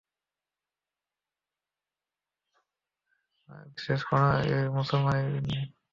বিশেষ করে অনেক মুসলমান ইমিগ্রান্টই ছুটির ব্যবস্থা করতে গিয়ে হিমশিম খান।